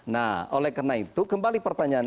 nah oleh karena itu kembali pertanyaan